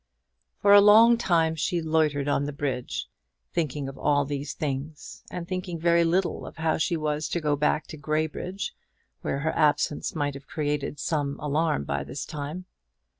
For a long time she loitered on the bridge, thinking of all these things, and thinking very little of how she was to go back to Graybridge, where her absence must have created some alarm by this time.